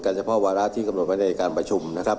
เฉพาะวาระที่กำหนดไว้ในการประชุมนะครับ